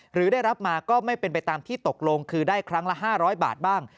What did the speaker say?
หรือได้รับมาก็ไม่เป็นไปตามที่ตกลงคือได้ครั้งละ๕๐๐บาทบ้าง